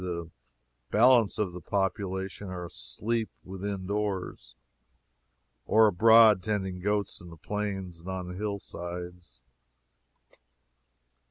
The balance of the population are asleep within doors, or abroad tending goats in the plains and on the hill sides.